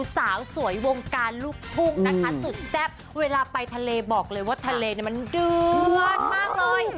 สาวสวยวงการลูกทุ่งนะคะสุดแซ่บเวลาไปทะเลบอกเลยว่าทะเลเนี่ยมันเดือดมากเลย